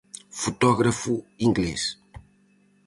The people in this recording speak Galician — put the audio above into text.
Fotógrafo inglés.